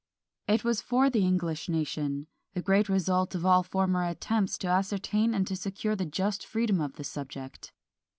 It was for the English nation the great result of all former attempts to ascertain and to secure the just freedom of the subject.